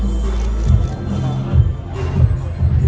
สโลแมคริปราบาล